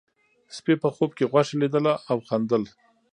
سپي په خوب کې غوښه لیدله او خندل.